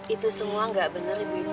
itu semua gak bener ibu ibu